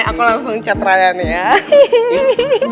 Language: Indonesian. aku langsung cat rayanya ya